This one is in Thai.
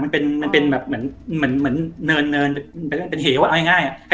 มันเป็นมันเป็นแบบเหมือนเหมือนเหมือนเหนินเป็นเหวเอาง่ายอ่ะ